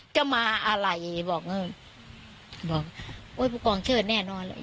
จะมาอะไรบอกเออบอกโอ้ยผู้กองเชิดแน่นอนเลย